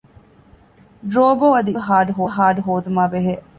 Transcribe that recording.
ޑްރޯބޯ އަދި އިންޓާރނަލް ހާޑް ހޯދުމާބެހޭ